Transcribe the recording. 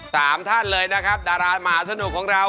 ท่านเลยนะครับดารามหาสนุกของเรา